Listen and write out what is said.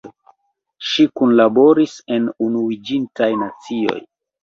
Ŝi kunlaboris en Unuiĝintaj Nacioj.